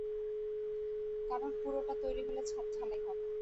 কারণ পুরোটা তৈরি হলে ছাদ ঢালাই হবে।